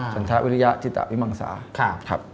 สัญชาวิทยาจิตาวิมังสาครับ